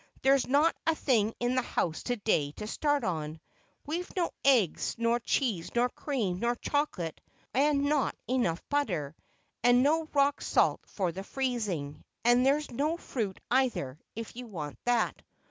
There's not a thing in the house to day to start on. We've no eggs, nor cheese, nor cream, nor chocolate, and not enough butter, and no rock salt for the freezing, and there's no fruit either, if you want that."